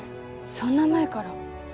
そんな前から。